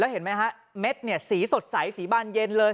แล้วเห็นไหมสีบานแบบสดใสเย็นเลย